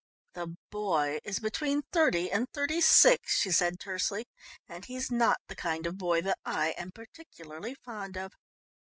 "The boy is between thirty and thirty six," she said tersely. "And he's not the kind of boy that I am particularly fond of.